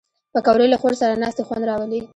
پکورې له خور سره ناستې خوند راولي